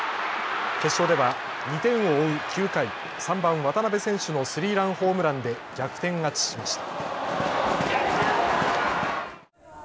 決勝では２点を追う９回、３番・渡邉選手のスリーランホームランで逆転勝ちしました。